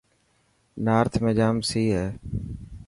نارٿ ۾ جام سئي هي.